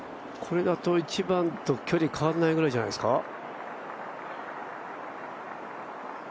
これだと１番と距離変わらないぐらいじゃないですか。